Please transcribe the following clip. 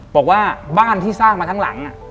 บอกว่าบ้านที่สร้างมาทั้งหลัง